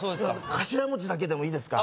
頭文字だけでもいいですか？